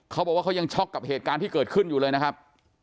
เขาบอกว่าเขายังช็อกกับเหตุการณ์ที่เกิดขึ้นอยู่เลยนะครับ